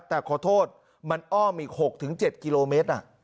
แต่ขอโทษมันอ้อมอีก๖๗กิโลเมตร